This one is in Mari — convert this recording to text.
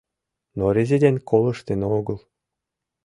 Но резидент колыштын огыл.